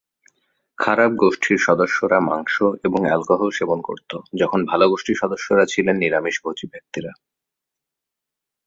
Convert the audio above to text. খারাপ গোষ্ঠীর সদস্যরা মাংস এবং অ্যালকোহল সেবন করত যখন ভাল গোষ্ঠীর সদস্যরা ছিলেন নিরামিষভোজী ব্যক্তিরা।